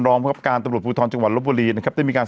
รองประกาศการตำรวจภูทรจังหวันรบบวลีนะครับได้มีการ